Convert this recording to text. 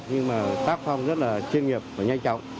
nhưng mà tác phong rất là chuyên nghiệp và nhanh chóng